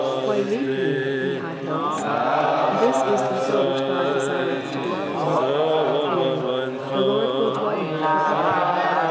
16 Why leap ye, ye high hills ; this is the hill which God desireth to dwell in ; yea, the LORD will dwell in it for ever.